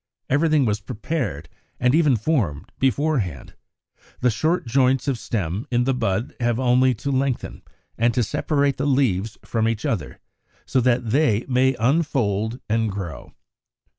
Everything was prepared, and even formed, beforehand: the short joints of stem in the bud have only to lengthen, and to separate the leaves from each other so that they may unfold and grow.